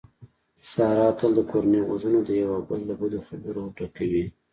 ساره تل د کورنۍ غوږونه د یو او بل له بدو خبرو ورډکوي.